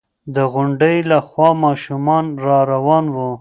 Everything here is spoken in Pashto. د غونډۍ له خوا ماشومان را روان وو.